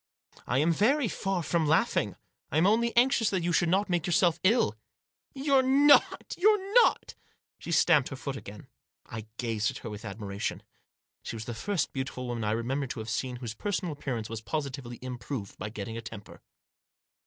" I am very far from laughing. I am only anxious that you should not make yourself ill." " You're not ! you're not !" She stamped her foot Digitized by 108 THE JOSS. again. I gazed at her with admiration. She was the first beautiful woman I remembered to have seen whose personal appearance was positively improved by getting into a temper.